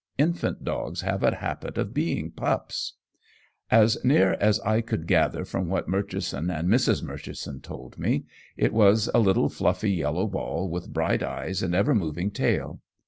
Infant dogs have a habit of being pups. As near as I could gather from what Murchison and Mrs. Murchison told me, it was a little, fluffy, yellow ball, with bright eyes and ever moving tail.